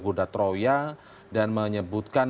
guda troya dan menyebutkan